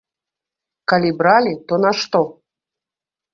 Калі бралі, то на што?